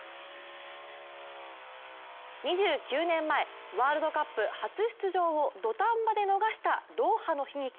２９年前、ワールドカップ初出場を土壇場で逃したドーハの悲劇。